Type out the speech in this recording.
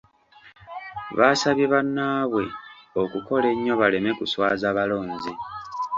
Baasabye bannaabwe okukola ennyo baleme kuswaza balonzi.